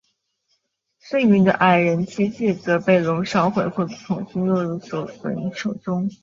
剩余的矮人七戒则被龙烧毁或重新落入索伦手中。